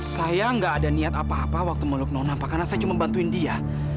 saya nggak ada niat apa apa waktu meluk non apa karena saya cuma bantuin dia